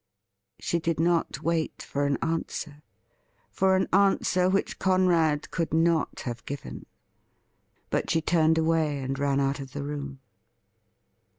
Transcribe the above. ''' She did not wait for an answer — for an answer which Conrad could not have given — but she turned away, and ran out of the room.